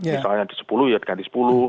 misalnya di sepuluh ya diganti sepuluh